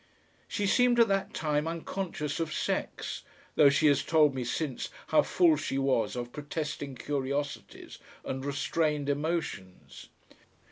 She seemed at that time unconscious of sex, though she has told me since how full she was of protesting curiosities and restrained emotions.